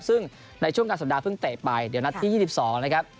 ซึ่งในช่วงกลางสัปดาห์เพิ่งเตะไปเดี๋ยวนัดที่๒๒นะครับ